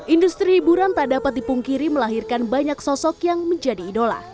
industri hiburan tak dapat dipungkiri melahirkan banyak sosok yang menjadi idola